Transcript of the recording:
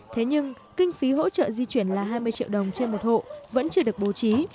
thế nhưng kinh phí hỗ trợ di chuyển là hai mươi triệu đồng trên một hộ vẫn chưa được bố trí